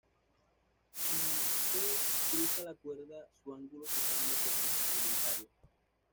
Si C cruza la cuerda, su ángulo se cambia por su suplementario.